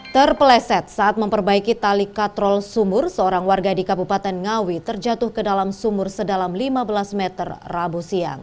terpeleset saat memperbaiki tali katrol sumur seorang warga di kabupaten ngawi terjatuh ke dalam sumur sedalam lima belas meter rabu siang